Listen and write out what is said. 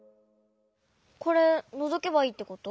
これのぞけばいいってこと？